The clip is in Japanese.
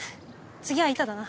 次は板だな。